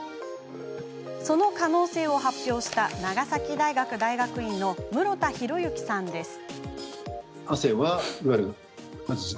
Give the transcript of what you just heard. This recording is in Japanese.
その可能性を発表した長崎大学大学院の室田浩之さんです。